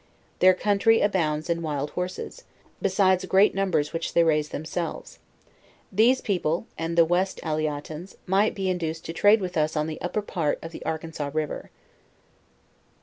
Their country abounds in wild horses, beside great numbers which they raise themselves, Thase people, and the West Aliatans, might be induced to trade with us on the upper part of the Arkansas river.'